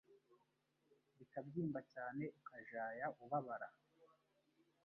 bikabyimba cyane ukajaya ubabara